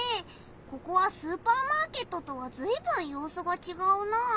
ここはスーパーマーケットとはずいぶんようすがちがうなあ。